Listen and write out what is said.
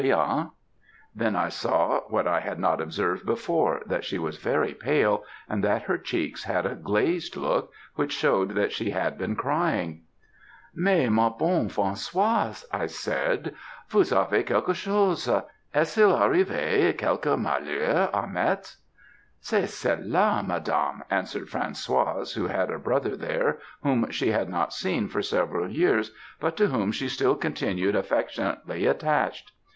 _' "Then I saw what I had not observed before, that she was very pale, and that her cheeks had a glazed look, which showed that she had been crying. "'Mais, ma bonne Françoise,' I said; 'vous avez quelque chose est il arrivé quelque malheur à Metz?' "'C'est cela, Madame,' answered Françoise, who had a brother there whom she had not seen for several years, but to whom she still continued affectionately attached.